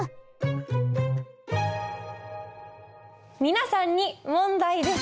皆さんに問題です。